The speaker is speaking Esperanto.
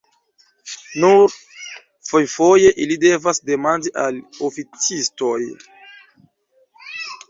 Nur fojfoje ili devas demandi al oficistoj.